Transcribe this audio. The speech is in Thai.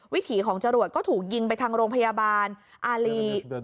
วิถีของจรวดก็ถูกยิงไปทางโรงพยาบาลอารี